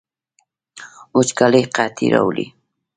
وچکالي قحطي راوړي